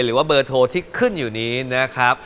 หรือว่าเบอร์โทรที่ขึ้นอยู่นี้นะครับ